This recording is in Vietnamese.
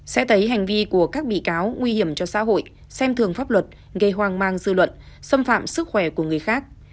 sẽ thấy hành vi của các bị cáo nguy hiểm cho xã hội xem thường pháp luật gây hoang mang dư luận xâm phạm sức khỏe của người khác